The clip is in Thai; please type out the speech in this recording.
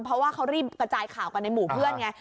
เพราะว่าเขารีบกระจายข่าวกันในหมู่เพื่อนไง